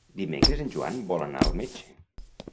Dimecres en Joan vol anar al metge.